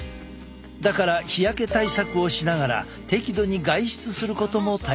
だから日焼け対策をしながら適度に外出することも大切だ。